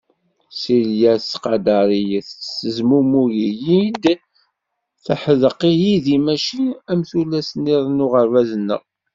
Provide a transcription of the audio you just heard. Silya tettqadar-iyi, tettezmumug-iyi-d, teḥdeq yid-i mačči am tullas-niḍen n uɣerbaz-nneɣ.